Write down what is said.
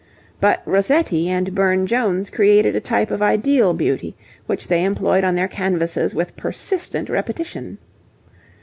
But Rossetti and Burne Jones created a type of ideal beauty which they employed on their canvases with persistent repetition.